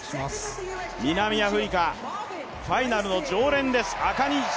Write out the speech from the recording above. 南アフリカ、ファイナルの常連です。